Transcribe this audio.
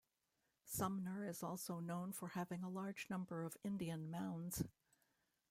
Sumner is also known for having a large number of Indian mounds.